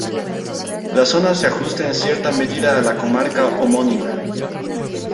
La zona se ajusta en cierta medida a la comarca homónima.